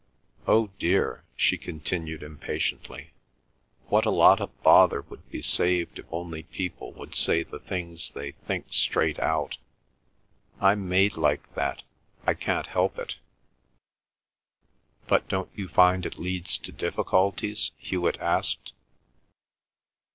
Oh dear," she continued impatiently, "what a lot of bother would be saved if only people would say the things they think straight out! I'm made like that. I can't help it." "But don't you find it leads to difficulties?" Hewet asked.